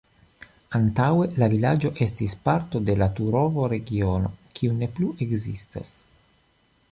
Antaŭe la vilaĝo estis parto de la Turovo-regiono, kiu ne plu ekzistas.